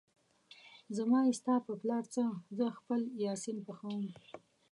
زما يې ستا په پلار څه ، زه خپل يا سين پخوم